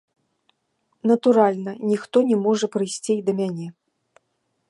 Натуральна, ніхто не можа прыйсці і да мяне.